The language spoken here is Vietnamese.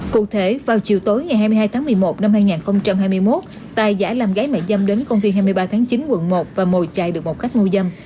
cụ thể vào chiều tối ngày hai mươi hai tháng một mươi một năm hai nghìn hai mươi một tài giả làm gái mẹ dâm đến công viên hai mươi ba tháng chín quận một và mồi chạy được một khách mua dâm